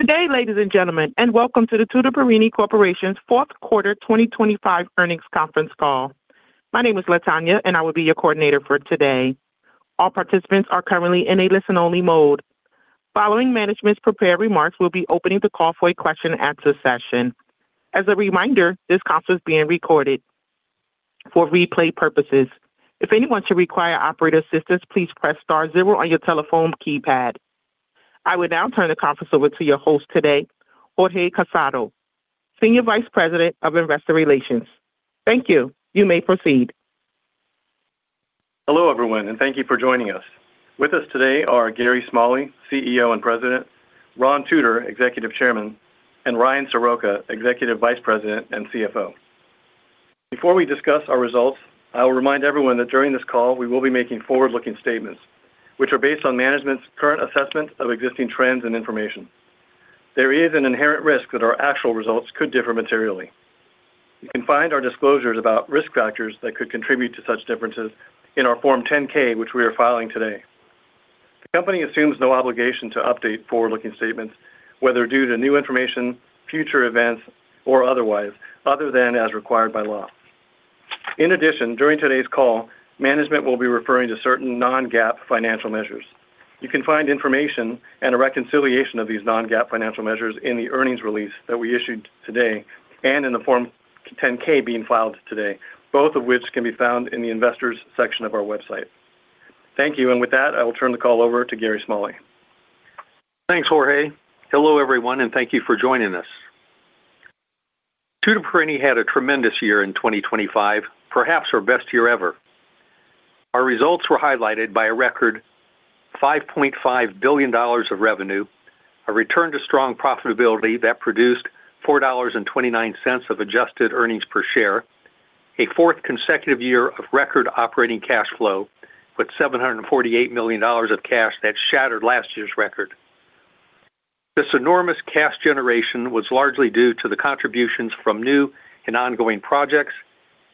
Good day, ladies and gentlemen, and welcome to the Tutor Perini Corporation's fourth quarter 2025 earnings conference call. My name is Latonya, and I will be your coordinator for today. All participants are currently in a listen-only mode. Following management's prepared remarks, we'll be opening the call for a question-and-answer session. As a reminder, this call is being recorded for replay purposes. If anyone should require operator assistance, please press star zero on your telephone keypad. I will now turn the conference over to your host today, Jorge Casado, Senior Vice President of Investor Relations. Thank you. You may proceed. Hello, everyone, and thank you for joining us. With us today are Gary Smalley, CEO and President, Ronald Tutor, Executive Chairman, and Ryan Soroka, Executive Vice President and CFO. Before we discuss our results, I will remind everyone that during this call, we will be making forward-looking statements, which are based on management's current assessment of existing trends and information. There is an inherent risk that our actual results could differ materially. You can find our disclosures about risk factors that could contribute to such differences in our Form 10-K, which we are filing today. The company assumes no obligation to update forward-looking statements, whether due to new information, future events, or otherwise, other than as required by law. In addition, during today's call, management will be referring to certain non-GAAP financial measures. You can find information and a reconciliation of these non-GAAP financial measures in the earnings release that we issued today and in the Form 10-K being filed today, both of which can be found in the Investors section of our website. Thank you. With that, I will turn the call over to Gary Smalley. Thanks, Jorge. Hello, everyone, and thank you for joining us. Tutor Perini had a tremendous year in 2025, perhaps our best year ever. Our results were highlighted by a record $5.5 billion of revenue, a return to strong profitability that produced $4.29 of adjusted earnings per share, a fourth consecutive year of record operating cash flow with $748 million of cash that shattered last year's record. This enormous cash generation was largely due to the contributions from new and ongoing projects.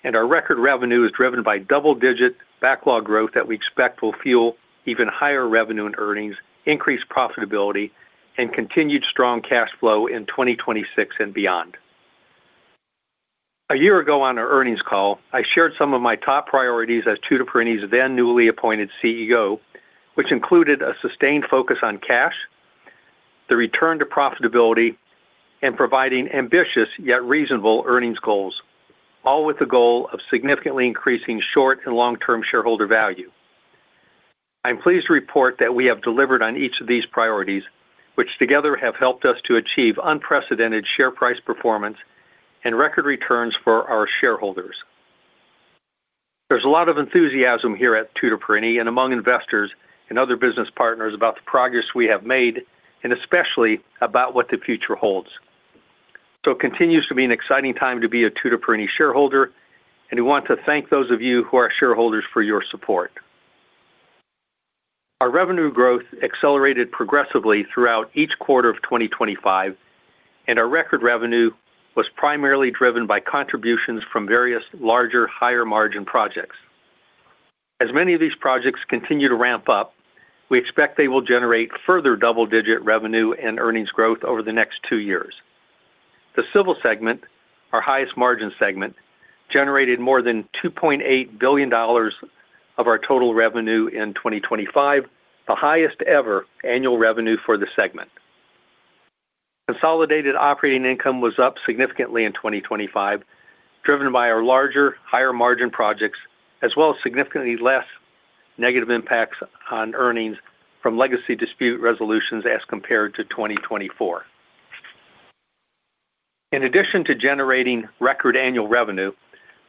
Our record revenue is driven by double-digit backlog growth that we expect will fuel even higher revenue and earnings, increased profitability, and continued strong cash flow in 2026 and beyond. A year ago on our earnings call, I shared some of my top priorities as Tutor Perini's then newly appointed CEO, which included a sustained focus on cash, the return to profitability, and providing ambitious yet reasonable earnings goals, all with the goal of significantly increasing short and long-term shareholder value. I'm pleased to report that we have delivered on each of these priorities, which together have helped us to achieve unprecedented share price performance and record returns for our shareholders. There's a lot of enthusiasm here at Tutor Perini and among investors and other business partners about the progress we have made and especially about what the future holds. It continues to be an exciting time to be a Tutor Perini shareholder, and we want to thank those of you who are shareholders for your support. Our revenue growth accelerated progressively throughout each quarter of 2025, and our record revenue was primarily driven by contributions from various larger, higher-margin projects. As many of these projects continue to ramp up, we expect they will generate further double-digit revenue and earnings growth over the next two years. The Civil segment, our highest margin segment, generated more than $2.8 billion of our total revenue in 2025, the highest ever annual revenue for the segment. Consolidated operating income was up significantly in 2025, driven by our larger, higher-margin projects, as well as significantly less negative impacts on earnings from legacy dispute resolutions as compared to 2024. In addition to generating record annual revenue,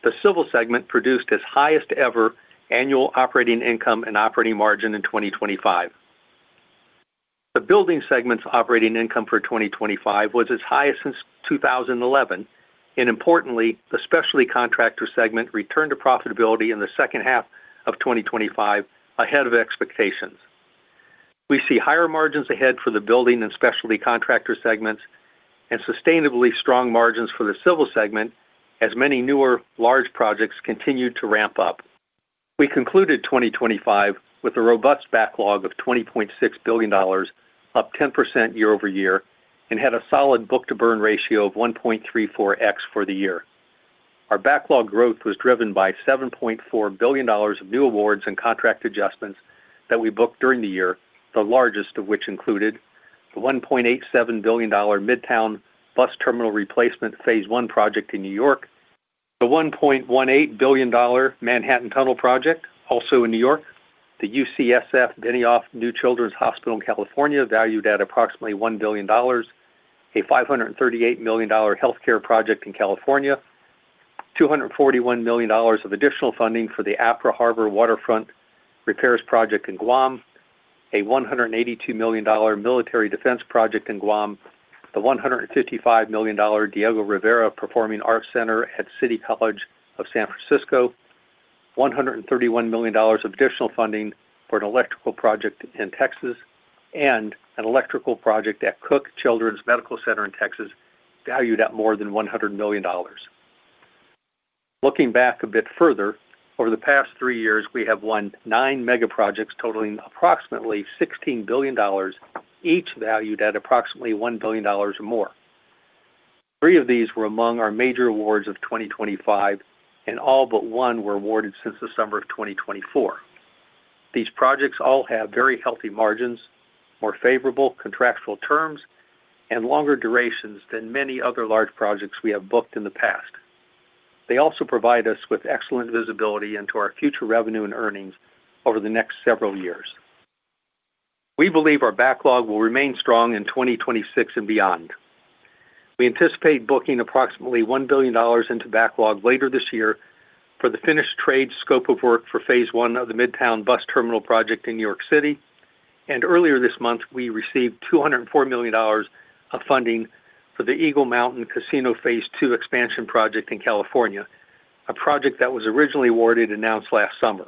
the Civil segment produced its highest ever annual operating income and operating margin in 2025. The Building segment's operating income for 2025 was its highest since 2011. Importantly, the Specialty Contractor segment returned to profitability in the second half of 2025 ahead of expectations. We see higher margins ahead for the Building and Specialty Contractor segments and sustainably strong margins for the Civil segment as many newer large projects continue to ramp up. We concluded 2025 with a robust backlog of $20.6 billion, up 10% year-over-year, and had a solid book-to-burn ratio of 1.34x for the year. Our backlog growth was driven by $7.4 billion of new awards and contract adjustments that we booked during the year, the largest of which included the $1.87 billion Midtown Bus Terminal Replacement Phase I project in New York, the $1.18 billion Manhattan Tunnel project, also in New York, the UCSF Benioff New Children's Hospital in California, valued at approximately $1 billion, a $538 million healthcare project in California, $241 million of additional funding for the Apra Harbor Waterfront Repairs project in Guam, a $182 million military defense project in Guam, the $155 million Diego Rivera Performing Arts Center at City College of San Francisco, $131 million of additional funding for an electrical project in Texas. An electrical project at Cook Children's Medical Center in Texas, valued at more than $100 million. Looking back a bit further, over the past three years, we have won nine mega projects totaling approximately $16 billion, each valued at approximately $1 billion or more. Three of these were among our major awards of 2025, all but one were awarded since the summer of 2024. These projects all have very healthy margins, more favorable contractual terms, and longer durations than many other large projects we have booked in the past. They also provide us with excellent visibility into our future revenue and earnings over the next several years. We believe our backlog will remain strong in 2026 and beyond. We anticipate booking approximately $1 billion into backlog later this year for the finished trade scope of work for Phase I of the Midtown Bus Terminal project in New York City. Earlier this month, we received $204 million of funding for the Eagle Mountain Casino Phase II expansion project in California, a project that was originally awarded, announced last summer.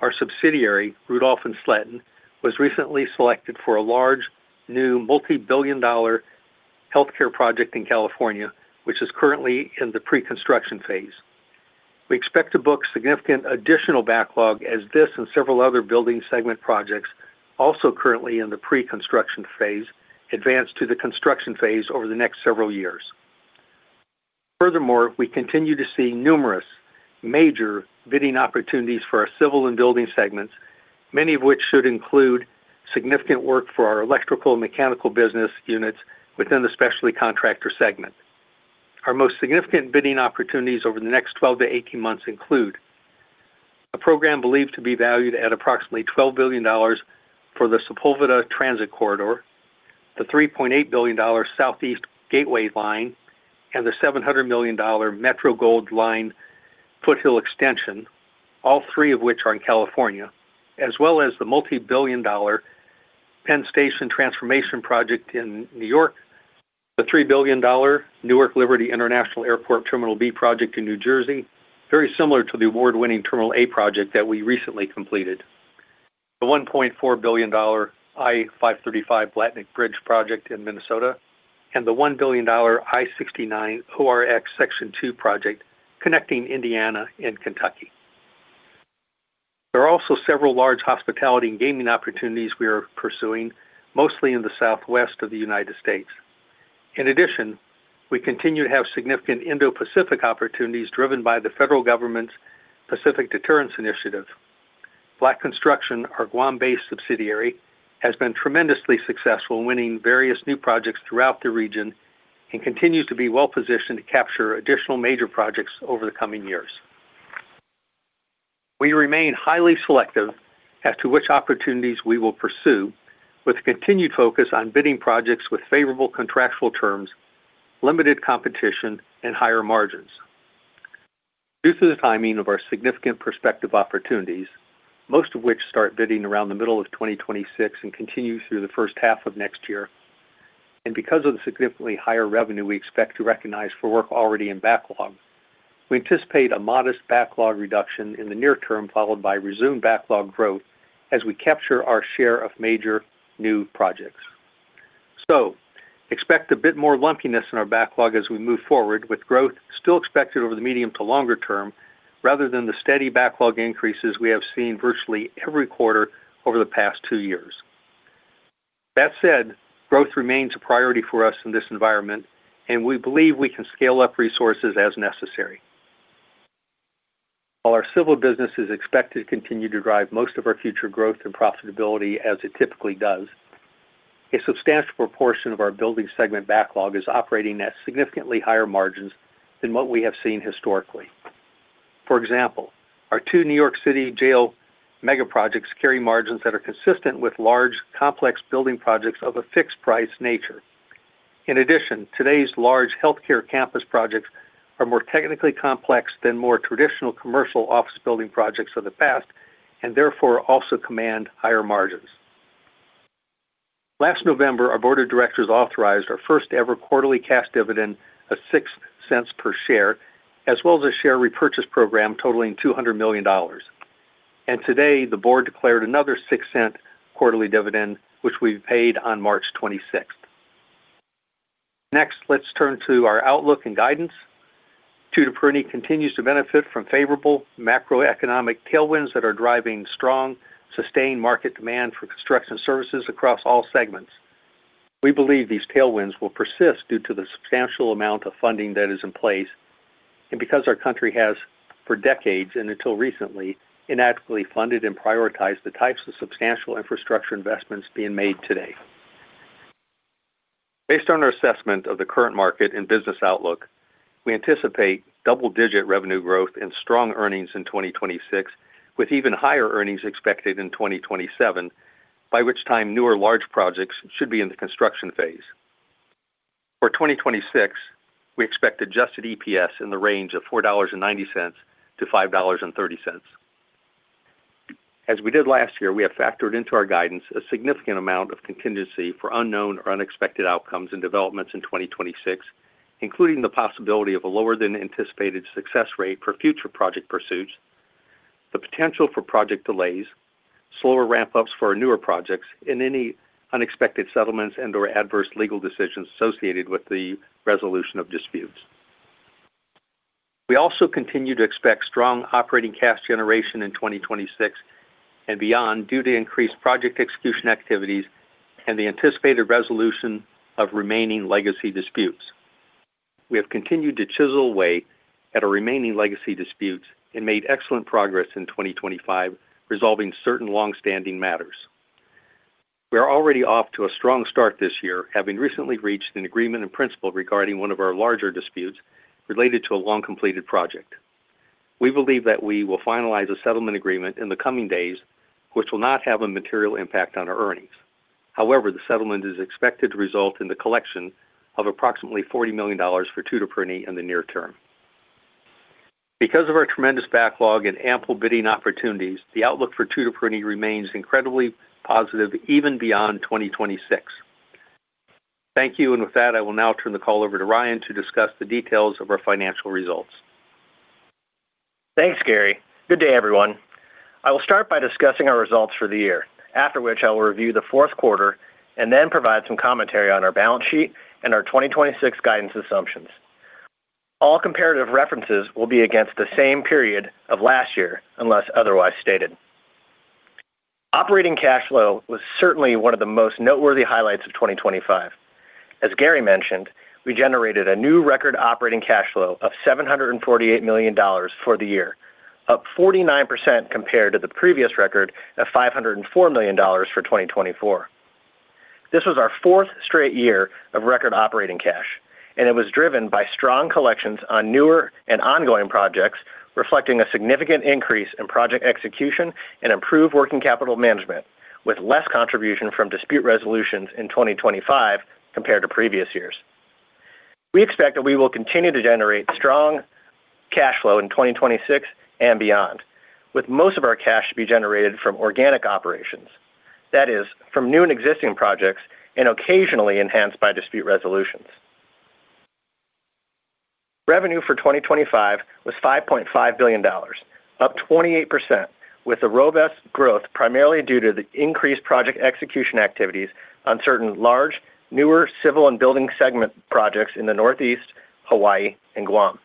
Our subsidiary, Rudolph and Sletten, was recently selected for a large, new multibillion-dollar healthcare project in California, which is currently in the pre-construction phase. We expect to book significant additional backlog as this and several other Building segment projects, also currently in the pre-construction phase, advance to the construction phase over the next several years. We continue to see numerous major bidding opportunities for our Civil and Building segments, many of which should include significant work for our electrical and mechanical business units within the Specialty Contractors segment. Our most significant bidding opportunities over the next 12 to 18 months include a program believed to be valued at approximately $12 billion for the Sepulveda Transit Corridor, the $3.8 billion Southeast Gateway Line, and the $700 million Metro Gold Line Foothill Extension, all three of which are in California, as well as the multibillion-dollar Penn Station transformation project in New York, the $3 billion Newark Liberty International Airport Terminal B project in New Jersey, very similar to the award-winning Terminal A project that we recently completed. The $1.4 billion I-535 Blatnik Bridge project in Minnesota, and the $1 billion I-69 ORX Section 2 project connecting Indiana and Kentucky. There are also several large hospitality and gaming opportunities we are pursuing, mostly in the Southwest of the United States. In addition, we continue to have significant Indo-Pacific opportunities driven by the federal government's Pacific Deterrence Initiative. Black Construction, our Guam-based subsidiary, has been tremendously successful in winning various new projects throughout the region and continues to be well-positioned to capture additional major projects over the coming years. We remain highly selective as to which opportunities we will pursue with a continued focus on bidding projects with favorable contractual terms, limited competition, and higher margins. Due to the timing of our significant prospective opportunities, most of which start bidding around the middle of 2026 and continue through the first half of next year, and because of the significantly higher revenue we expect to recognize for work already in backlog, we anticipate a modest backlog reduction in the near term, followed by resumed backlog growth as we capture our share of major new projects. Expect a bit more lumpiness in our backlog as we move forward with growth still expected over the medium to longer term, rather than the steady backlog increases we have seen virtually every quarter over the past two years. That said, growth remains a priority for us in this environment, and we believe we can scale up resources as necessary. While our Civil business is expected to continue to drive most of our future growth and profitability as it typically does, a substantial proportion of our Building segment backlog is operating at significantly higher margins than what we have seen historically. For example, our two New York City jail mega projects carry margins that are consistent with large, complex building projects of a fixed-price nature. In addition, today's large healthcare campus projects are more technically complex than more traditional commercial office building projects of the past and therefore also command higher margins. Last November, our board of directors authorized our first-ever quarterly cash dividend of six cents per share, as well as a share repurchase program totaling $200 million. Today, the board declared another six cent quarterly dividend, which we paid on March 26th. Next, let's turn to our outlook and guidance. Tutor Perini continues to benefit from favorable macroeconomic tailwinds that are driving strong, sustained market demand for construction services across all segments. We believe these tailwinds will persist due to the substantial amount of funding that is in place and because our country has, for decades and until recently, inadequately funded and prioritized the types of substantial infrastructure investments being made today. Based on our assessment of the current market and business outlook, we anticipate double-digit revenue growth and strong earnings in 2026, with even higher earnings expected in 2027, by which time newer large projects should be in the construction phase. For 2026, we expect adjusted EPS in the range of $4.90-$5.30. As we did last year, we have factored into our guidance a significant amount of contingency for unknown or unexpected outcomes and developments in 2026, including the possibility of a lower-than-anticipated success rate for future project pursuits, potential for project delays, slower ramp ups for newer projects, and any unexpected settlements and or adverse legal decisions associated with the resolution of disputes. We also continue to expect strong operating cash generation in 2026 and beyond due to increased project execution activities and the anticipated resolution of remaining legacy disputes. We have continued to chisel away at our remaining legacy disputes and made excellent progress in 2025 resolving certain long-standing matters. We are already off to a strong start this year, having recently reached an agreement in principle regarding one of our larger disputes related to a long-completed project. We believe that we will finalize a settlement agreement in the coming days, which will not have a material impact on our earnings. However, the settlement is expected to result in the collection of approximately $40 million for Tutor Perini in the near-term. Because of our tremendous backlog and ample bidding opportunities, the outlook for Tutor Perini remains incredibly positive even beyond 2026. Thank you. With that, I will now turn the call over to Ryan to discuss the details of our financial results. Thanks, Gary. Good day, everyone. I will start by discussing our results for the year, after which I will review the 4th quarter and then provide some commentary on our balance sheet and our 2026 guidance assumptions. All comparative references will be against the same period of last year, unless otherwise stated. Operating cash flow was certainly one of the most noteworthy highlights of 2025. As Gary mentioned, we generated a new record operating cash flow of $748 million for the year, up 49% compared to the previous record of $504 million for 2024. This was our fourth straight year of record operating cash. It was driven by strong collections on newer and ongoing projects, reflecting a significant increase in project execution and improved working capital management, with less contribution from dispute resolutions in 2025 compared to previous years. We expect that we will continue to generate strong cash flow in 2026 and beyond, with most of our cash to be generated from organic operations. That is, from new and existing projects and occasionally enhanced by dispute resolutions. Revenue for 2025 was $5.5 billion, up 28%, with the robust growth primarily due to the increased project execution activities on certain large, newer Civil segment and Building segment projects in the Northeast, Hawaii and Guam.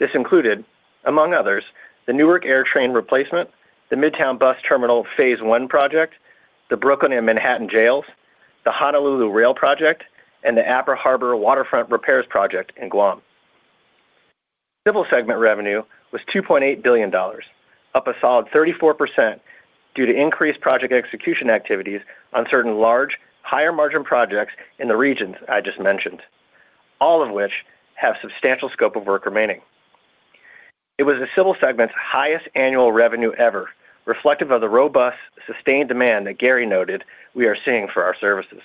This included, among others, the AirTrain Newark replacement, the Midtown Bus Terminal Phase I project, the Brooklyn and Manhattan Jails, the Honolulu Rail Project, and the Apra Harbor Waterfront Repairs Project in Guam. Civil segment revenue was $2.8 billion, up a solid 34% due to increased project execution activities on certain large, higher margin projects in the regions I just mentioned, all of which have substantial scope of work remaining. It was the Civil segment's highest annual revenue ever, reflective of the robust, sustained demand that Gary noted we are seeing for our services.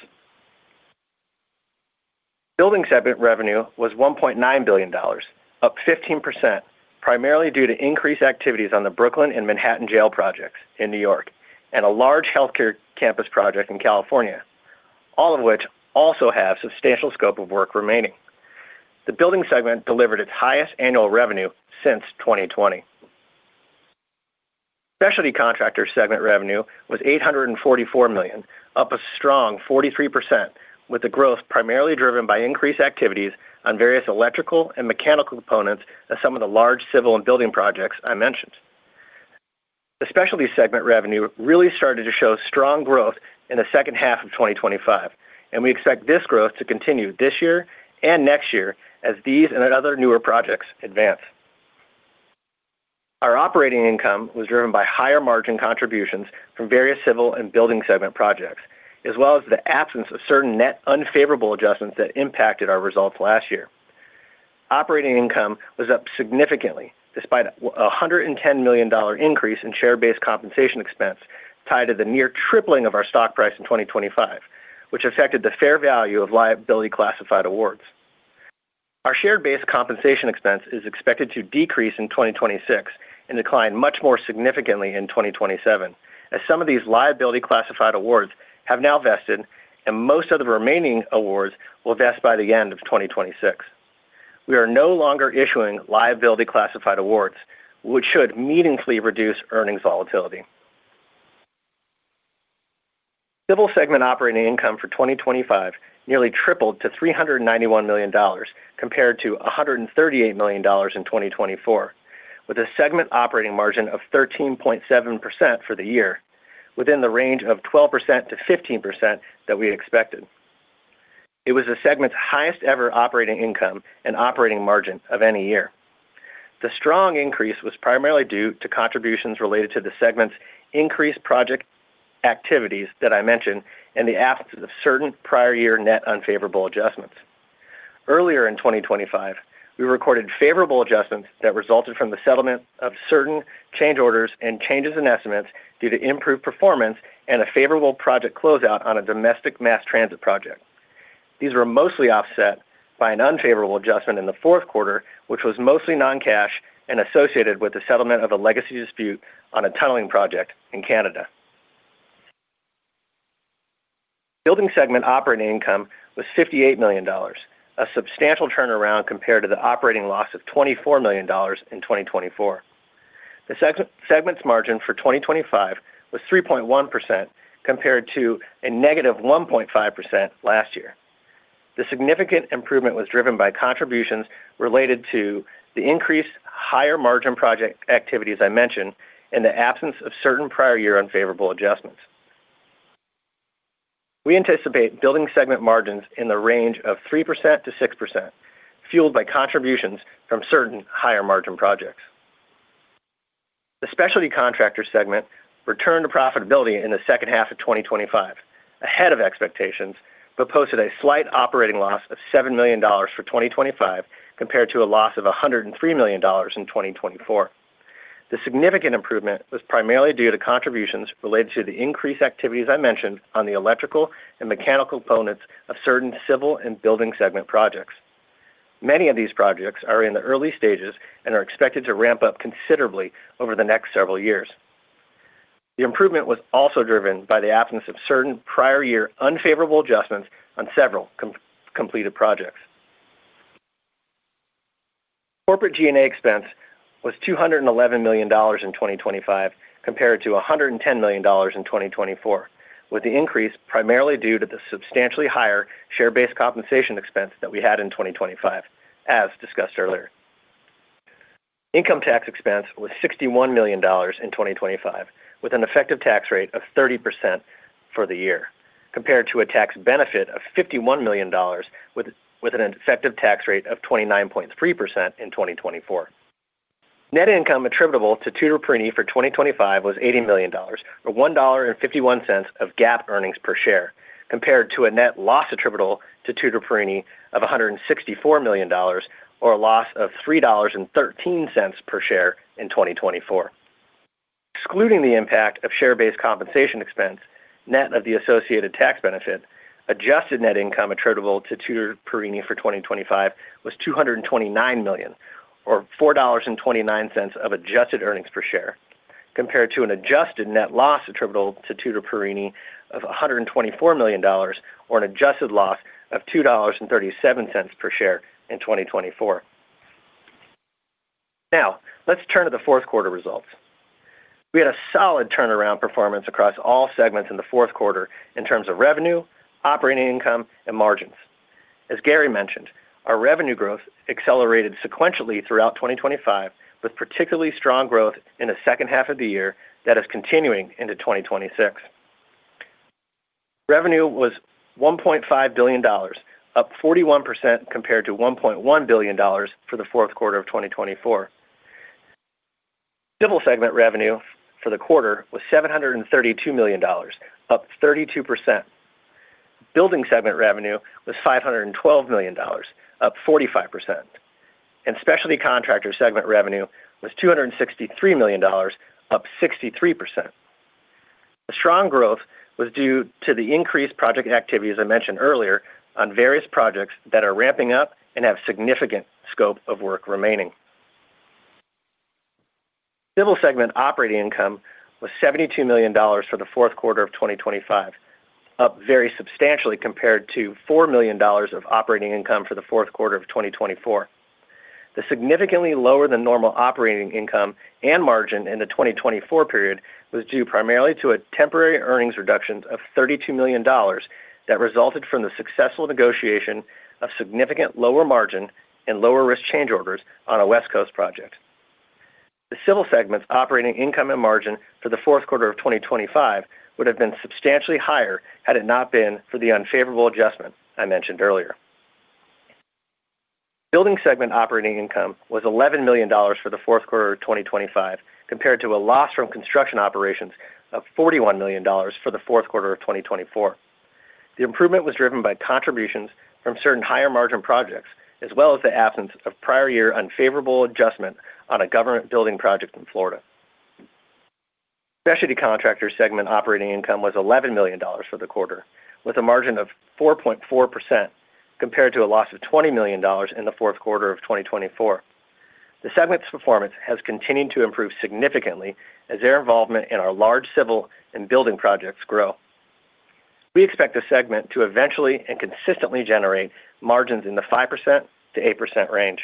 Building segment revenue was $1.9 billion, up 15%, primarily due to increased activities on the Brooklyn and Manhattan Jail projects in New York and a large healthcare campus project in California, all of which also have substantial scope of work remaining. The Building segment delivered its highest annual revenue since 2020. Specialty Contractors segment revenue was $844 million, up a strong 43%, with the growth primarily driven by increased activities on various electrical and mechanical components of some of the large Civil and Building segment projects I mentioned. The Specialty Contractors segment revenue really started to show strong growth in the second half of 2025, and we expect this growth to continue this year and next year as these and other newer projects advance. Our operating income was driven by higher margin contributions from various Civil and Building segment projects, as well as the absence of certain net unfavorable adjustments that impacted our results last year. Operating income was up significantly despite a $110 million increase in share-based compensation expense tied to the near tripling of our stock price in 2025, which affected the fair value of liability-classified awards. Our share-based compensation expense is expected to decrease in 2026 and decline much more significantly in 2027, as some of these liability-classified awards have now vested, and most of the remaining awards will vest by the end of 2026. We are no longer issuing liability-classified awards, which should meaningfully reduce earnings volatility. Civil segment operating income for 2025 nearly tripled to $391 million compared to $138 million in 2024, with a segment operating margin of 13.7% for the year, within the range of 12%-15% that we expected. It was the segment's highest ever operating income and operating margin of any year. The strong increase was primarily due to contributions related to the segment's increased project activities that I mentioned and the absence of certain prior year net unfavorable adjustments. Earlier in 2025, we recorded favorable adjustments that resulted from the settlement of certain change orders and changes in estimates due to improved performance and a favorable project closeout on a domestic mass transit project. These were mostly offset by an unfavorable adjustment in the fourth quarter, which was mostly non-cash and associated with the settlement of a legacy dispute on a tunneling project in Canada. Building segment operating income was $58 million, a substantial turnaround compared to the operating loss of $24 million in 2024. The segment's margin for 2025 was 3.1% compared to a negative 1.5% last year. The significant improvement was driven by contributions related to the increased higher margin project activity, as I mentioned, in the absence of certain prior year unfavorable adjustments. We anticipate Building segment margins in the range of 3%-6%, fueled by contributions from certain higher margin projects. The Specialty Contractors segment returned to profitability in the second half of 2025, ahead of expectations, but posted a slight operating loss of $7 million for 2025 compared to a loss of $103 million in 2024. The significant improvement was primarily due to contributions related to the increased activities I mentioned on the electrical and mechanical components of certain civil and Building segment projects. Many of these projects are in the early stages and are expected to ramp up considerably over the next several years. The improvement was also driven by the absence of certain prior year unfavorable adjustments on several completed projects. Corporate G&A expense was $211 million in 2025 compared to $110 million in 2024, with the increase primarily due to the substantially higher share-based compensation expense that we had in 2025, as discussed earlier. Income tax expense was $61 million in 2025, with an effective tax rate of 30% for the year, compared to a tax benefit of $51 million with an effective tax rate of 29.3% in 2024. Net income attributable to Tutor Perini for 2025 was $80 million, or $1.51 of GAAP earnings per share, compared to a net loss attributable to Tutor Perini of $164 million or a loss of $3.13 per share in 2024. Excluding the impact of share-based compensation expense, net of the associated tax benefit, adjusted net income attributable to Tutor Perini for 2025 was $229 million or $4.29 of adjusted earnings per share, compared to an adjusted net loss attributable to Tutor Perini of $124 million or an adjusted loss of $2.37 per share in 2024. Let's turn to the fourth quarter results. We had a solid turnaround performance across all segments in the fourth quarter in terms of revenue, operating income, and margins. As Gary mentioned, our revenue growth accelerated sequentially throughout 2025, with particularly strong growth in the second half of the year that is continuing into 2026. Revenue was $1.5 billion, up 41% compared to $1.1 billion for the fourth quarter of 2024. Civil segment revenue for the quarter was $732 million, up 32%. Building segment revenue was $512 million, up 45%. Specialty Contractors segment revenue was $263 million, up 63%. The strong growth was due to the increased project activity, as I mentioned earlier, on various projects that are ramping up and have significant scope of work remaining. Civil segment operating income was $72 million for the fourth quarter of 2025, up very substantially compared to $4 million of operating income for the fourth quarter of 2024. The significantly lower than normal operating income and margin in the 2024 period was due primarily to a temporary earnings reduction of $32 million that resulted from the successful negotiation of significant lower margin and lower risk change orders on a West Coast project. The Civil segment's operating income and margin for the fourth quarter of 2025 would have been substantially higher had it not been for the unfavorable adjustment I mentioned earlier. Building segment operating income was $11 million for the fourth quarter of 2025, compared to a loss from construction operations of $41 million for the fourth quarter of 2024. The improvement was driven by contributions from certain higher margin projects, as well as the absence of prior year unfavorable adjustment on a government building project in Florida. Specialty Contractors segment operating income was $11 million for the quarter, with a margin of 4.4%, compared to a loss of $20 million in the fourth quarter of 2024. The segment's performance has continued to improve significantly as their involvement in our large civil and building projects grow. We expect the segment to eventually and consistently generate margins in the 5%-8% range.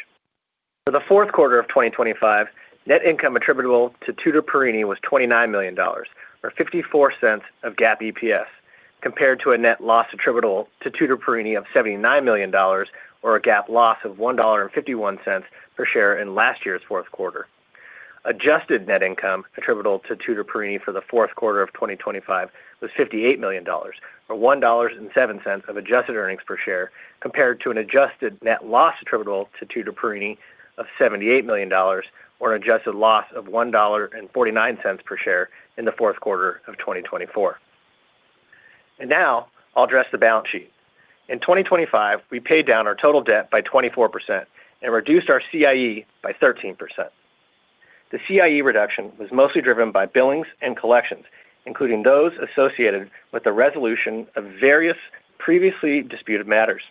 For the fourth quarter of 2025, net income attributable to Tutor Perini was $29 million or $0.54 of GAAP EPS, compared to a net loss attributable to Tutor Perini of $79 million or a GAAP loss of $1.51 per share in last year's fourth quarter. Adjusted net income attributable to Tutor Perini for the fourth quarter of 2025 was $58 million or $1.07 of adjusted earnings per share, compared to an adjusted net loss attributable to Tutor Perini of $78 million or an adjusted loss of $1.49 per share in the fourth quarter of 2024. Now I'll address the balance sheet. In 2025, we paid down our total debt by 24% and reduced our CIE by 13%. The CIE reduction was mostly driven by billings and collections, including those associated with the resolution of various previously disputed matters.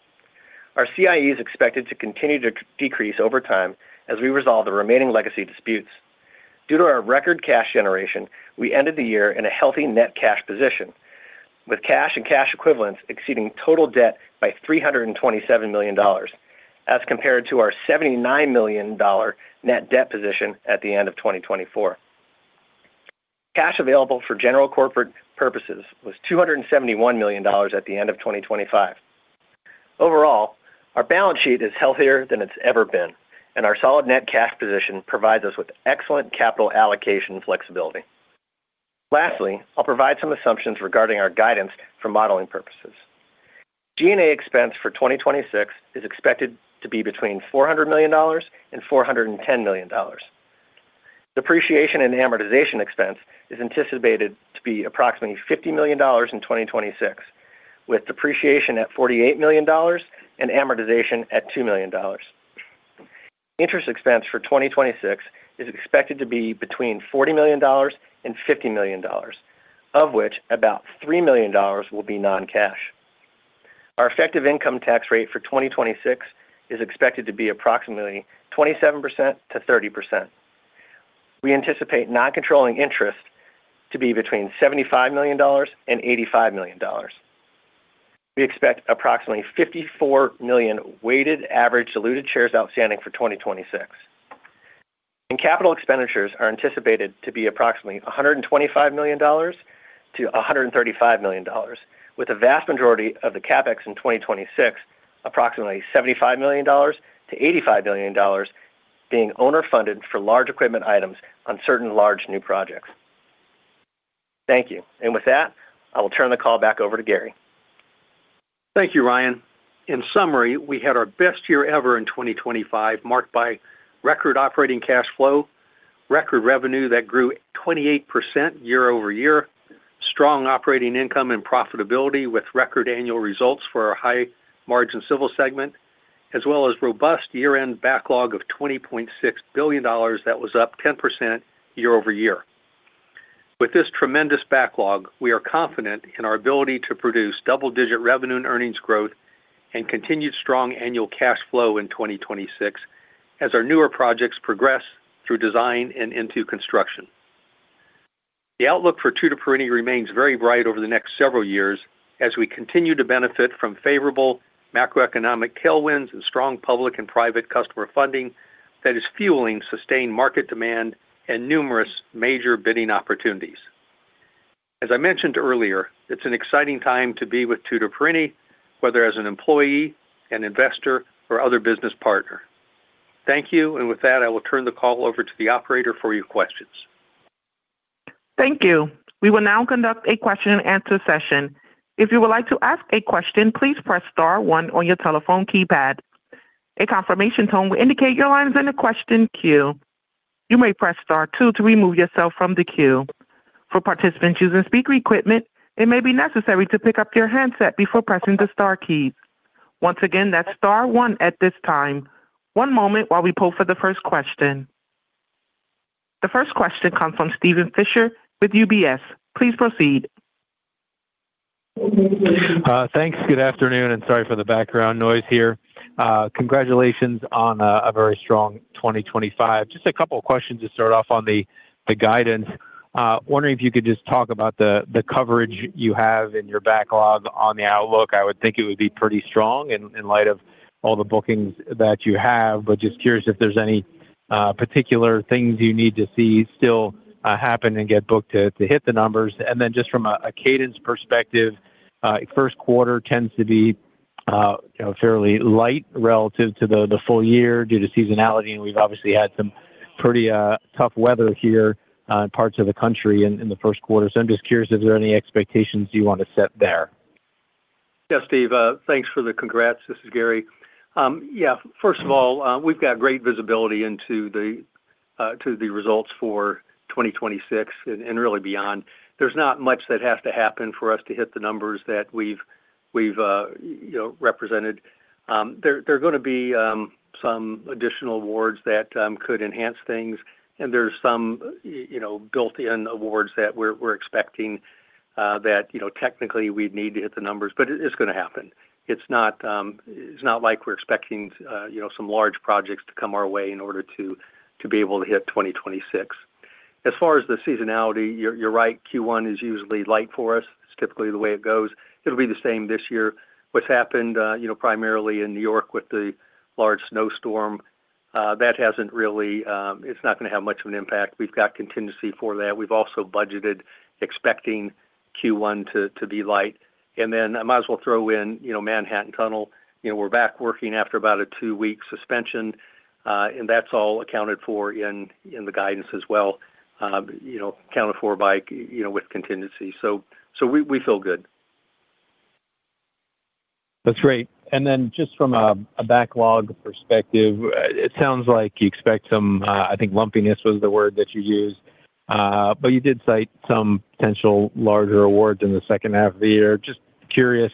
Our CIE is expected to continue to decrease over time as we resolve the remaining legacy disputes. Due to our record cash generation, we ended the year in a healthy net cash position, with cash and cash equivalents exceeding total debt by $327 million as compared to our $79 million net debt position at the end of 2024. Cash available for general corporate purposes was $271 million at the end of 2025. Overall, our balance sheet is healthier than it's ever been, and our solid net cash position provides us with excellent capital allocation flexibility. Lastly, I'll provide some assumptions regarding our guidance for modeling purposes. G&A expense for 2026 is expected to be between $400 million and $410 million. Depreciation and amortization expense is anticipated to be approximately $50 million in 2026, with depreciation at $48 million and amortization at $2 million. Interest expense for 2026 is expected to be between $40 million and $50 million, of which about $3 million will be non-cash. Our effective income tax rate for 2026 is expected to be approximately 27%-30%. We anticipate noncontrolling interest to be between $75 million and $85 million. We expect approximately 54 million weighted average diluted shares outstanding for 2026. Capital expenditures are anticipated to be approximately $125 million to $135 million, with the vast majority of the CapEx in 2026, approximately $75 million to $85 million being owner-funded for large equipment items on certain large new projects. Thank you. With that, I will turn the call back over to Gary. Thank you, Ryan. In summary, we had our best year ever in 2025, marked by record operating cash flow, record revenue that grew 28% year-over-year, strong operating income and profitability with record annual results for our high margin Civil segment, as well as robust year-end backlog of $20.6 billion, that was up 10% year-over-year. With this tremendous backlog, we are confident in our ability to produce double-digit revenue and earnings growth and continued strong annual cash flow in 2026 as our newer projects progress through design and into construction. The outlook for Tutor Perini remains very bright over the next several years as we continue to benefit from favorable macroeconomic tailwinds and strong public and private customer funding that is fueling sustained market demand and numerous major bidding opportunities. As I mentioned earlier, it's an exciting time to be with Tutor Perini, whether as an employee, an investor or other business partner. Thank you. With that, I will turn the call over to the operator for your questions. Thank you. We will now conduct a question and answer session. If you would like to ask a question, please press star one on your telephone keypad. A confirmation tone will indicate your line is in a question queue. You may press star two to remove yourself from the queue. For participants using speaker equipment, it may be necessary to pick up your handset before pressing the star keys. Once again, that's star one at this time. One moment while we poll for the first question. The first question comes from Steven Fisher with UBS. Please proceed. Thanks. Good afternoon, and sorry for the background noise here. Congratulations on a very strong 2025. Just a couple of questions to start off on the guidance. Wondering if you could just talk about the coverage you have in your backlog on the outlook. I would think it would be pretty strong in light of all the bookings that you have, but just curious if there's any particular things you need to see still happen and get booked to hit the numbers. From a cadence perspective, first quarter tends to be, you know, fairly light relative to the full year due to seasonality, and we've obviously had some pretty tough weather here in parts of the country in the first quarter. I'm just curious if there are any expectations you want to set there. Yeah, Steve, thanks for the congrats. This is Gary. First of all, we've got great visibility into the results for 2026 and really beyond. There's not much that has to happen for us to hit the numbers that we've, you know, represented. There are gonna be some additional awards that could enhance things, and there's some you know, built-in awards that we're expecting that, you know, technically we'd need to hit the numbers, but it is gonna happen. It's not, it's not like we're expecting, you know, some large projects to come our way in order to be able to hit 2026. As far as the seasonality, you're right. Q1 is usually light for us. It's typically the way it goes. It'll be the same this year. What's happened, you know, primarily in New York with the large snowstorm, that hasn't really, it's not gonna have much of an impact. We've got contingency for that. We've also budgeted expecting Q1 to be light. I might as well throw in, you know, Manhattan Tunnel. You know, we're back working after about a two-week suspension, and that's all accounted for in the guidance as well, you know, accounted for by, you know, with contingency. So we feel good. That's great. Then just from a backlog perspective, it sounds like you expect some, I think lumpiness was the word that you used, but you did cite some potential larger awards in the second half of the year. Just curious,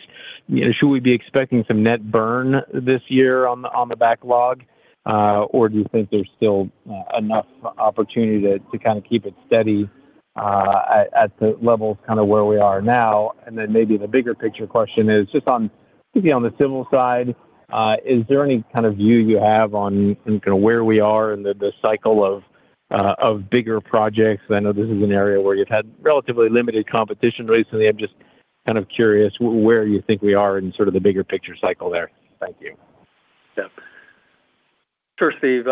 should we be expecting some net burn this year on the backlog? Or do you think there's still enough opportunity to kinda keep it steady? At the levels kind of where we are now, and then maybe the bigger picture question is just on, maybe on the Civil segment side, is there any kind of view you have on and kind of where we are in the cycle of bigger projects? I know this is an area where you've had relatively limited competition recently. I'm just kind of curious where you think we are in sort of the bigger picture cycle there. Thank you. Yeah. Sure, Steve.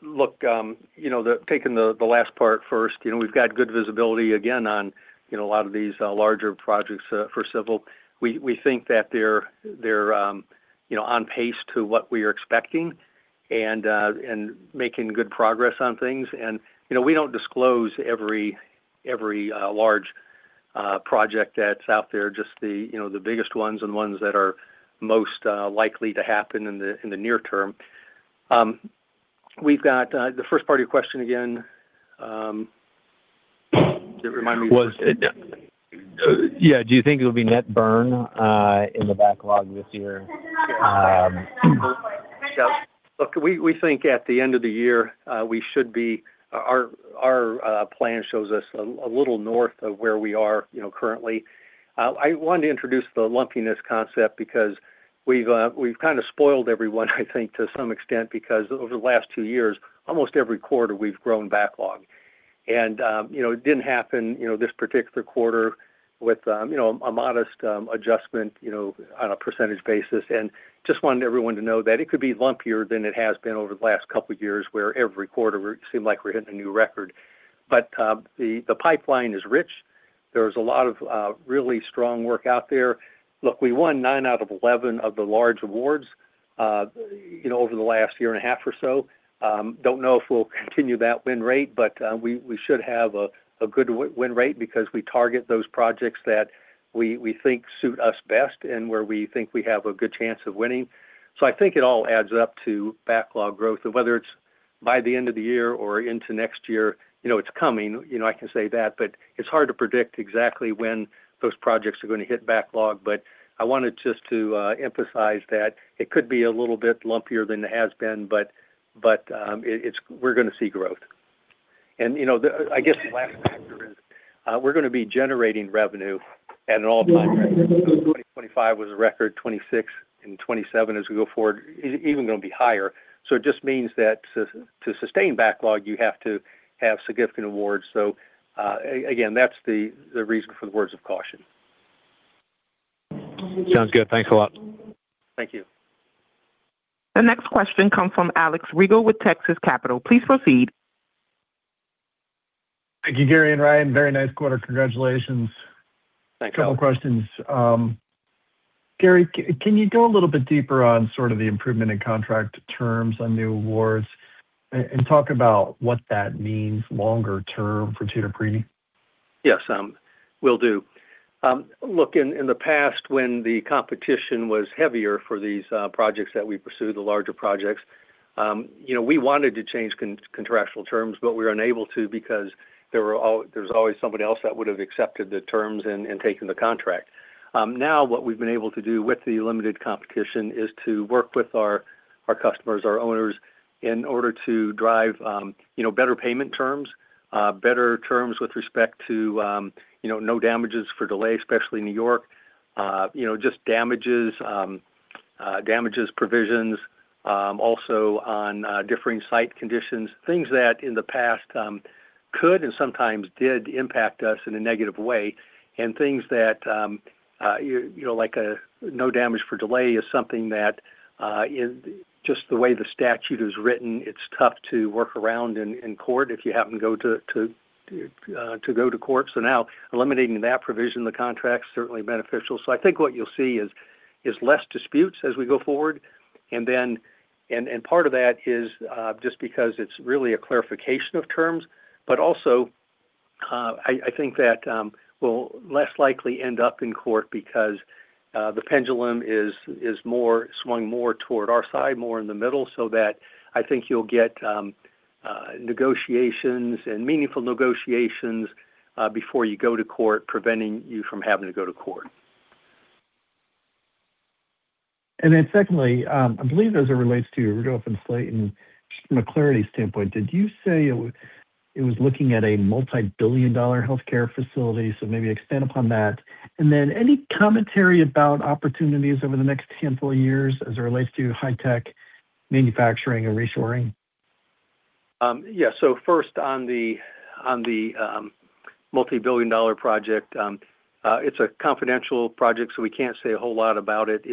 Look, you know, taking the last part first, we've got good visibility again on, you know, a lot of these larger projects for civil. We think that they're, you know, on pace to what we are expecting and making good progress on things. You know, we don't disclose every large project that's out there, just the biggest ones and ones that are most likely to happen in the near-term. We've got the first part of your question again, just remind me. Yeah. Do you think it'll be net burn in the backlog this year? Yeah. Look, we think at the end of the year, we should be, Our plan shows us a little north of where we are, you know, currently. I want to introduce the lumpiness concept because we've kind of spoiled everyone, I think, to some extent because over the last two years, almost every quarter we've grown backlog. It didn't happen, you know, this particular quarter with, you know, a modest adjustment, you know, on a percentage basis. Just wanted everyone to know that it could be lumpier than it has been over the last couple of years, where every quarter we seem like we're hitting a new record. The pipeline is rich. There's a lot of really strong work out there. Look, we won 9 out of 11 of the large awards, you know, over the last 1.5 years or so. Don't know if we'll continue that win rate, but we should have a good win rate because we target those projects that we think suit us best and where we think we have a good chance of winning. I think it all adds up to backlog growth, and whether it's by the end of the year or into next year, you know, it's coming. You know, I can say that, but it's hard to predict exactly when those projects are gonna hit backlog. I wanted just to emphasize that it could be a little bit lumpier than it has been, but we're gonna see growth. You know, I guess the last factor is, we're gonna be generating revenue at an all-time high. 2025 was a record, 2026 and 2027 as we go forward, even gonna be higher. It just means that to sustain backlog, you have to have significant awards. Again, that's the reason for the words of caution. Sounds good. Thanks a lot. Thank you. The next question comes from Alex Rygiel with Texas Capital. Please proceed. Thank you, Gary and Ryan. Very nice quarter. Congratulations. Thanks. Couple questions. Gary, can you go a little bit deeper on sort of the improvement in contract terms on new awards and talk about what that means longer-term for Tutor Perini? Yes, will do. Look, in the past when the competition was heavier for these projects that we pursue, the larger projects, you know, we wanted to change contractual terms, but we were unable to because there's always somebody else that would have accepted the terms and taken the contract. Now what we've been able to do with the limited competition is to work with our customers, our owners, in order to drive, you know, better payment terms, better terms with respect to, you know, no damages for delay, especially New York. You know, just damages provisions, also on differing site conditions, things that in the past could and sometimes did impact us in a negative way. Things that, you know, like, no damages for delay is something that, is just the way the statute is written. It's tough to work around in court if you happen to go to court. Now eliminating that provision in the contract is certainly beneficial. I think what you'll see is less disputes as we go forward. Then, and part of that is, just because it's really a clarification of terms. Also, I think that, we'll less likely end up in court because, the pendulum is more, swung more toward our side, more in the middle, so that I think you'll get, negotiations and meaningful negotiations, before you go to court, preventing you from having to go to court. secondly, I believe as it relates to Rudolph and Sletten, just from a clarity standpoint, did you say it was looking at a multi-billion dollar healthcare facility? Maybe expand upon that. Any commentary about opportunities over the next 10, 12 years as it relates to high tech manufacturing and reshoring? Yeah. First on the multi-billion dollar project, it's a confidential project, so we can't say a whole lot about it.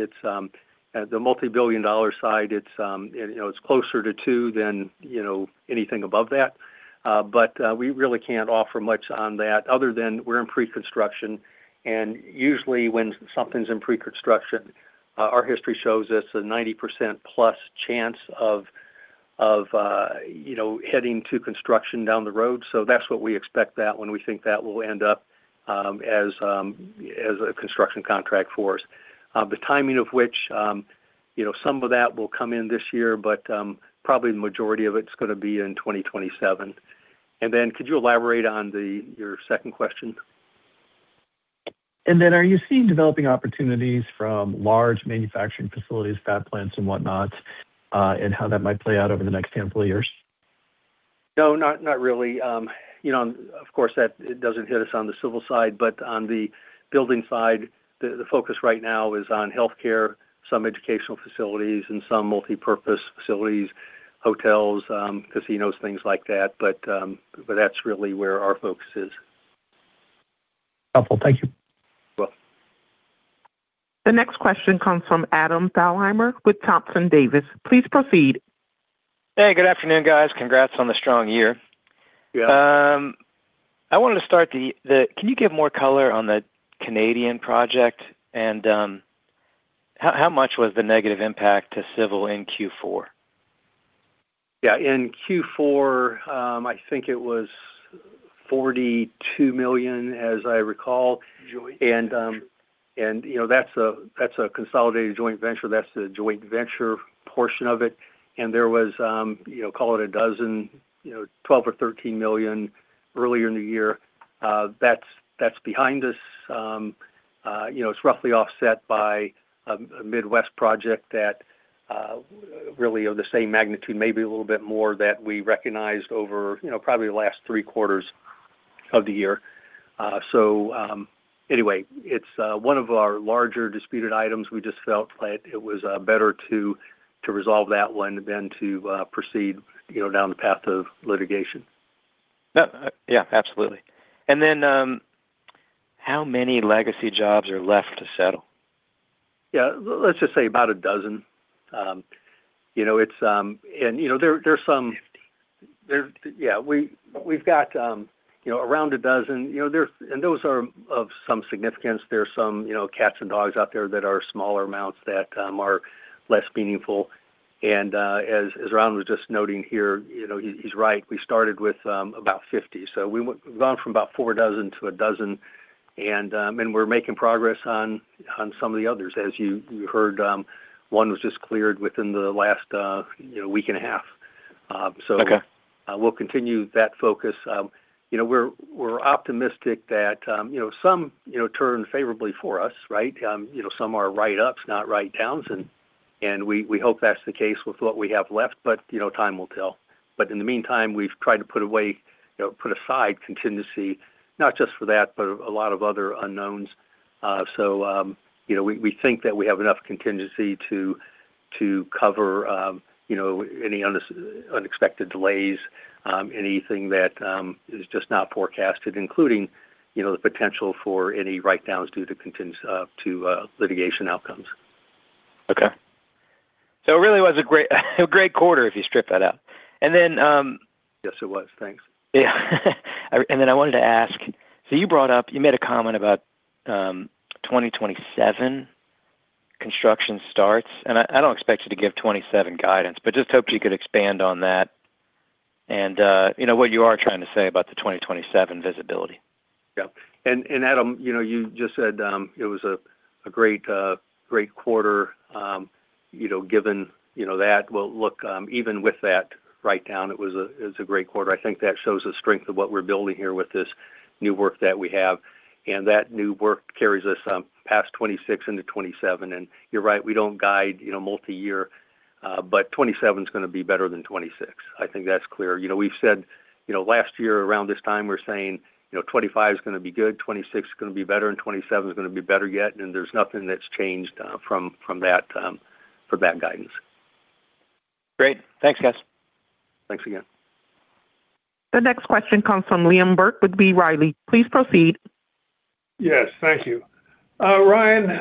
The multi-billion dollar side, you know, it's closer to two than, you know, anything above that. We really can't offer much on that other than we're in pre-construction. Usually when something's in pre-construction, our history shows it's a 90% plus chance of, you know, heading to construction down the road. That's what we expect that when we think that will end up as a construction contract for us. The timing of which, you know, some of that will come in this year, but probably the majority of it's gonna be in 2027. Could you elaborate on your second question? Are you seeing developing opportunities from large manufacturing facilities, fat plants and whatnot, and how that might play out over the next handful of years? No, not really. You know, of course, that doesn't hit us on the Civil segment, but on the Building segment, the focus right now is on healthcare, some educational facilities and some multipurpose facilities, hotels, casinos, things like that. That's really where our focus is. Helpful. Thank you. You're welcome. The next question comes from Adam Thalhimer with Thompson Davis. Please proceed. Hey, good afternoon, guys. Congrats on the strong year. Yeah. Can you give more color on the Canadian project? How much was the negative impact to civil in Q4? Yeah. In Q4, I think it was $42 million, as I recall. Joint venture. You know, that's a consolidated joint venture. That's the joint venture portion of it. There was, call it 12, $12 million or $13 million earlier in the year. That's behind us. You know, it's roughly offset by a Midwest project that, really of the same magnitude, maybe a little bit more that we recognized over, you know, probably the last three quarters of the year. Anyway, it's one of our larger disputed items. We just felt that it was better to resolve that one than to proceed, you know, down the path of litigation. Yeah, absolutely. How many legacy jobs are left to settle? Yeah. Let's just say about 12. You know, it's... You know, there's some 50. Yeah, we've got, you know, around 12. You know, there's. Those are of some significance. There are some, you know, cats and dogs out there that are smaller amounts that are less meaningful. As Ron was just noting here, you know, he's right. We started with about 50. We've gone from about 4 dozen to 12 and we're making progress on some of the others. As you heard, one was just cleared within the last, you know, week and a half, so. Okay. We'll continue that focus. You know, we're optimistic that, you know, some, you know, turn favorably for us, right? You know, some are writeups, not writedowns, and we hope that's the case with what we have left. You know, time will tell. In the meantime, we've tried to put away, you know, put aside contingency, not just for that, but a lot of other unknowns. You know, we think that we have enough contingency to cover, you know, any unexpected delays, anything that is just not forecasted, including, you know, the potential for any writedowns due to litigation outcomes. Okay. It really was a great quarter if you strip that out. Then, Yes, it was. Thanks. Yeah. I wanted to ask, so you brought up, you made a comment about 2027 construction starts. I don't expect you to give 2027 guidance, but just hoped you could expand on that and you know, what you are trying to say about the 2027 visibility. Yeah. Adam, you know, you just said, it was a great quarter, you know, given, you know that. Well, look, even with that writedown, it was a, it's a great quarter. I think that shows the strength of what we're building here with this new work that we have, and that new work carries us past 2026 into 2027. You're right, we don't guide, you know, multi-year, but 2027 is gonna be better than 2026. I think that's clear. You know, we've said, you know, last year around this time we were saying, you know, 2025 is gonna be good, 2026 is gonna be better, and 2027 is gonna be better yet, there's nothing that's changed from that, for that guidance. Great. Thanks, guys. Thanks again. The next question comes from Liam Burke with B. Riley. Please proceed. Yes. Thank you. Ryan,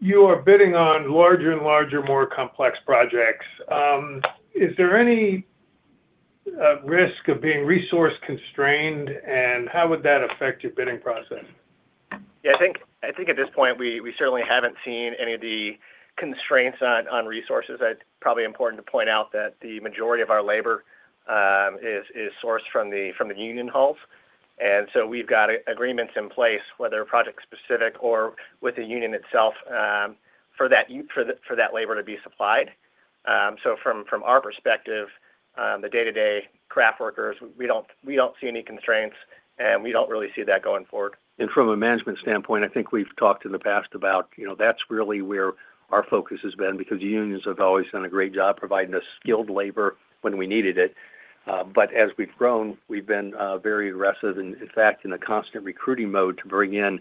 you are bidding on larger and larger, more complex projects. Is there any risk of being resource-constrained, and how would that affect your bidding process? I think at this point, we certainly haven't seen any of the constraints on resources. It's probably important to point out that the majority of our labor is sourced from the union halls. We've got agreements in place, whether project-specific or with the union itself, for that labor to be supplied. From our perspective, the day-to-day craft workers, we don't see any constraints, and we don't really see that going forward. From a management standpoint, I think we've talked in the past about, you know, that's really where our focus has been because the unions have always done a great job providing us skilled labor when we needed it. As we've grown, we've been very aggressive and, in fact, in a constant recruiting mode to bring in,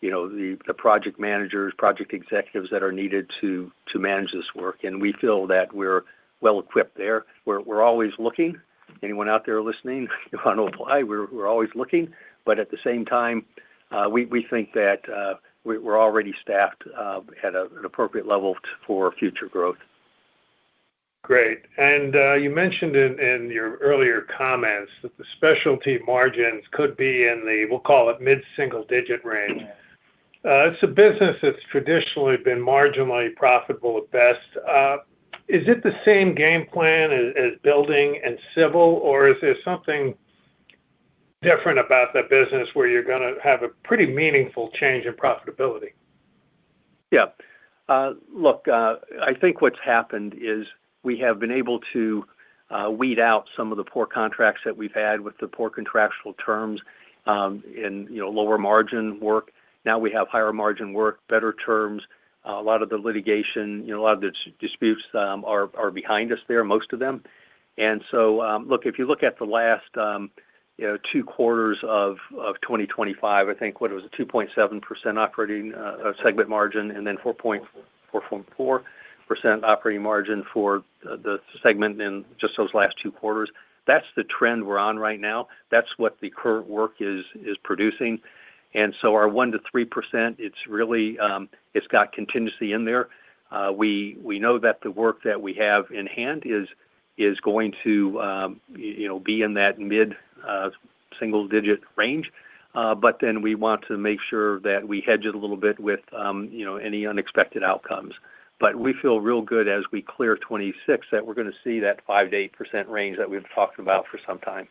you know, the project managers, project executives that are needed to manage this work, and we feel that we're well equipped there. We're always looking. Anyone out there listening, if you want to apply, we're always looking. At the same time, we think that we're already staffed at an appropriate level for future growth. Great. You mentioned in your earlier comments that the specialty margins could be in the, we'll call it, mid-single digit range. Yeah. It's a business that's traditionally been marginally profitable at best. Is it the same game plan as Building and Civil, or is there something different about that business where you're gonna have a pretty meaningful change in profitability? Look, I think what's happened is we have been able to weed out some of the poor contracts that we've had with the poor contractual terms, in, you know, lower margin work. Now we have higher margin work, better terms. A lot of the litigation, you know, a lot of the disputes, are behind us there, most of them. Look, if you look at the last, you know, two quarters of 2025, I think, what it was a 2.7% operating segment margin, and then 4.4% operating margin for the segment in just those last two quarters. That's the trend we're on right now. That's what the current work is producing. Our 1%-3%, it's really, it's got contingency in there. We know that the work that we have in hand is going to, you know, be in that mid-single digit range. We want to make sure that we hedge it a little bit with, you know, any unexpected outcomes. We feel real good as we clear 26 that we're gonna see that 5%-8% range that we've talked about for some time.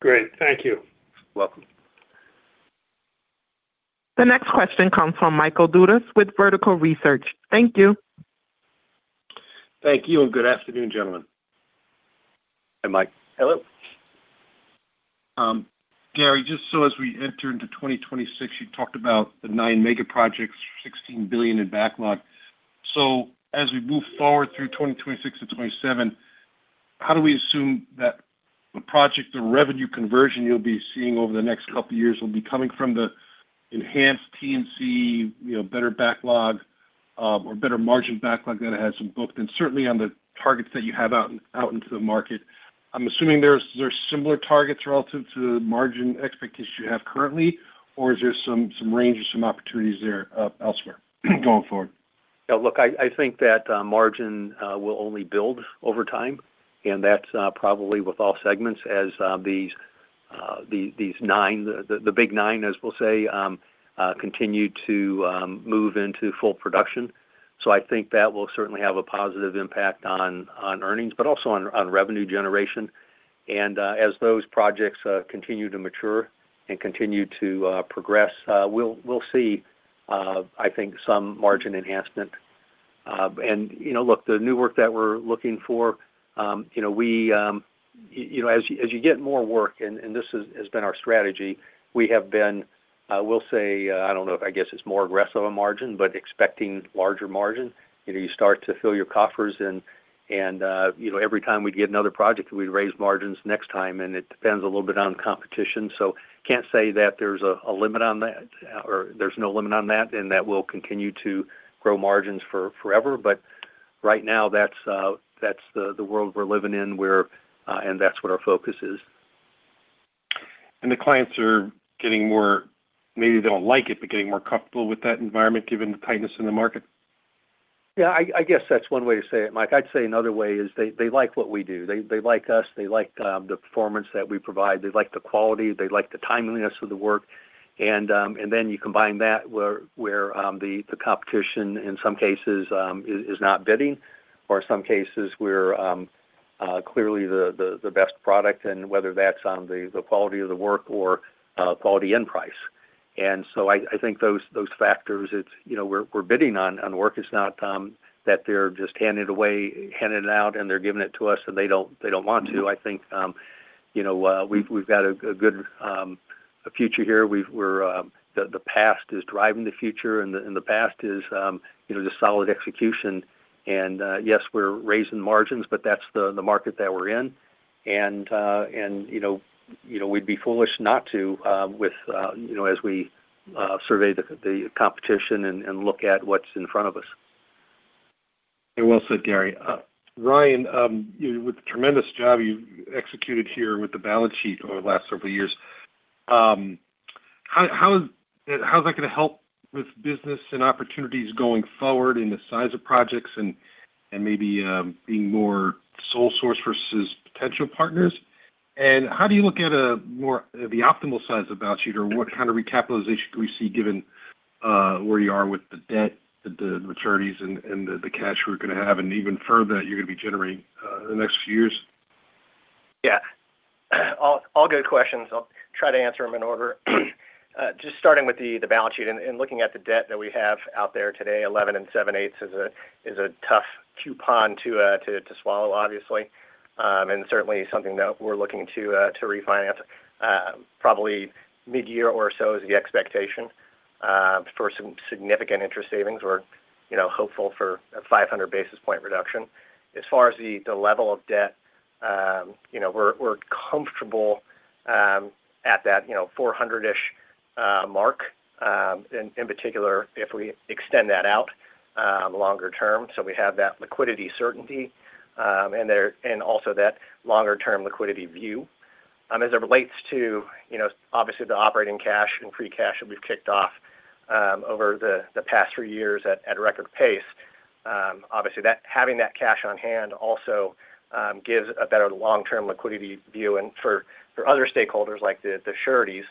Great. Thank you. You're welcome. The next question comes from Michael Dudas with Vertical Research. Thank you. Thank you, and good afternoon, gentlemen. Hi, Mike. Hello. Gary, just so as we enter into 2026, you talked about the nine mega projects, $16 billion in backlog. As we move forward through 2026 to 2027, how do we assume that the project, the revenue conversion you'll be seeing over the next couple of years will be coming from the enhanced T&C, you know, better backlog, or better margin backlog that has been booked? Certainly on the targets that you have out in, out into the market, I'm assuming there's similar targets relative to the margin expectations you have currently, or is there some range or some opportunities there elsewhere going forward? Yeah, look, I think that margin will only build over time, and that's probably with all segments as these nine, the big nine, as we'll say, continue to move into full production. I think that will certainly have a positive impact on earnings, but also on revenue generation. As those projects continue to mature and continue to progress, we'll see I think some margin enhancement. You know, look, the new work that we're looking for, you know, we, you know, as you get more work and this has been our strategy, we have been, we'll say, I don't know if I guess it's more aggressive a margin, but expecting larger margin. You know, you start to fill your coffers and, you know, every time we'd get another project, we'd raise margins next time, and it depends a little bit on competition. Can't say that there's a limit on that or there's no limit on that and that will continue to grow margins for forever. Right now that's the world we're living in where, and that's what our focus is. The clients are getting more, maybe they don't like it, but getting more comfortable with that environment given the tightness in the market. Yeah, I guess that's one way to say it, Mike. I'd say another way is they like what we do. They like us. They like the performance that we provide. They like the quality. They like the timeliness of the work. Then you combine that where the competition in some cases is not bidding or some cases we're clearly the best product and whether that's on the quality of the work or quality end price. So I think those factors, it's, you know, we're bidding on work. It's not that they're just handed away, handed out, and they're giving it to us, and they don't want to. I think, you know, we've got a good future here. We're the past is driving the future and the past is, you know, just solid execution. Yes, we're raising margins, but that's the market that we're in. You know, we'd be foolish not to, with, you know, as we survey the competition and look at what's in front of us. Well said, Gary. Ryan, you with the tremendous job you've executed here with the balance sheet over the last several years, how is it, how's that gonna help with business and opportunities going forward in the size of projects and maybe, being more sole source versus potential partners? How do you look at a more, the optimal size of balance sheet or what kind of recapitalization can we see given where you are with the debt, the maturities and the cash we're gonna have and even further that you're gonna be generating in the next few years? Yeah. All good questions. I'll try to answer them in order. Just starting with the balance sheet and looking at the debt that we have out there today, eleven and seven eighths is a tough coupon to swallow obviously. Certainly something that we're looking to refinance, probably mid-year or so is the expectation for some significant interest savings. We're, you know, hopeful for a 500 basis point reduction. As far as the level of debt, you know, we're comfortable at that, you know, 400-ish mark, in particular if we extend that out longer-term, so we have that liquidity certainty and also that longer-term liquidity view. As it relates to, you know, obviously the operating cash and free cash that we've kicked off over the three years at record pace, obviously having that cash on hand also gives a better long-term liquidity view and for other stakeholders like the sureties,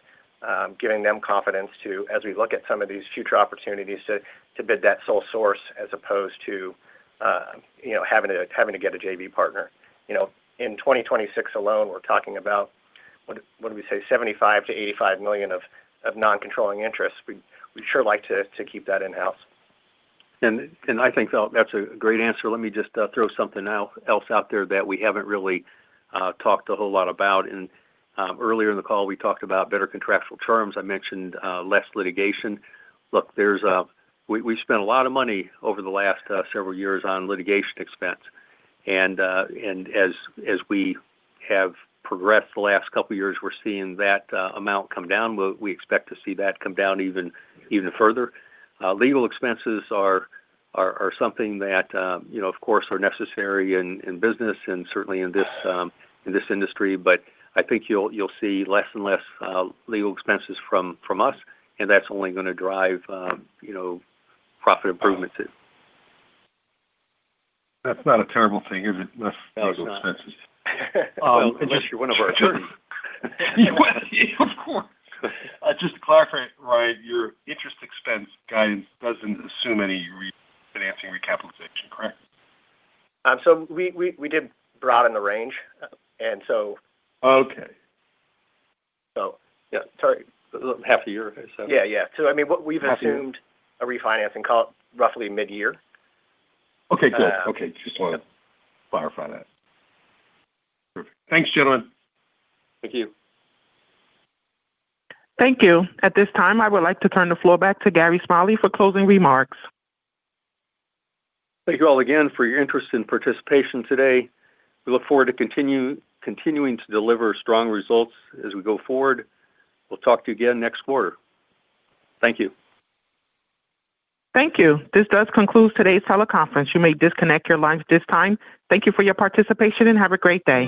giving them confidence to, as we look at some of these future opportunities to bid that sole source as opposed to, you know, having to get a JV partner. You know, in 2026 alone, we're talking about. What, what did we say? $75 million-$85 million of noncontrolling interest. We'd sure like to keep that in-house. I think that's a great answer. Let me just throw something else out there that we haven't really talked a whole lot about. Earlier in the call, we talked about better contractual terms. I mentioned less litigation. Look, there's We spent a lot of money over the last several years on litigation expense. As we have progressed the last couple of years, we're seeing that amount come down. We expect to see that come down even further. Legal expenses are something that, you know, of course, are necessary in business and certainly in this in this industry. I think you'll see less and less legal expenses from us, and that's only gonna drive, you know, profit improvements. That's not a terrible thing, is it? Less legal expenses. No, it's not. unless you're one of our attorneys. Of course. Just to clarify, Ryan, your interest expense guidance doesn't assume any re-financing recapitalization, correct? We did broaden the range. Okay. Yeah. Sorry. Half a year, is that it? Yeah, yeah. I mean, what we've assumed. Half a year. a refinancing call roughly mid-year. Okay, good. Okay. Just wanted to clarify that. Perfect. Thanks, gentlemen. Thank you. Thank you. At this time, I would like to turn the floor back to Gary Smalley for closing remarks. Thank you all again for your interest and participation today. We look forward to continuing to deliver strong results as we go forward. We'll talk to you again next quarter. Thank you. Thank you. This does conclude today's teleconference. You may disconnect your lines at this time. Thank you for your participation, and have a great day.